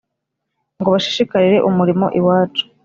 Ngo bashishikarire umurimo iwacu